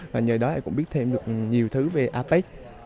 và nhờ đó em cũng biết thêm được nhiều thứ về apec